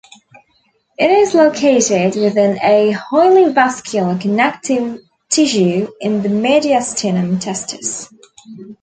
It is located within a highly vascular connective tissue in the mediastinum testis.